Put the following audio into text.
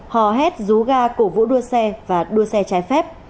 hò hét rú ga cổ vũ đua xe và đua xe trái phép